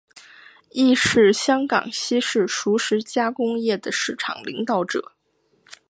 亦是香港西式熟食加工业的市场领导者。